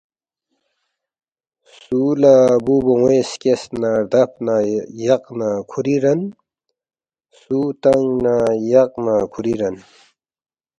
سُو لہ بُو بون٘و سکیس نہ ردب نہ یق نہ کُھوری رَن، سُو تنگ نہ یق نہ کُھوری رَن